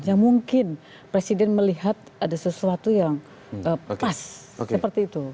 yang mungkin presiden melihat ada sesuatu yang pas seperti itu